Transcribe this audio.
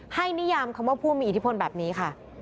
นิยามคำว่าผู้มีอิทธิพลแบบนี้ค่ะ